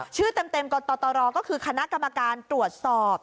ชื่อเต็มกตรก็คือคณะกรรมการตรวจสอบ